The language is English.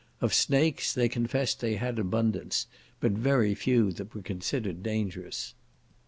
Of snakes, they confessed they had abundance, but very few that were considered dangerous.